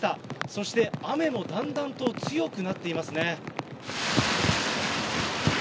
そして雨もだんだんと強くなっていますね。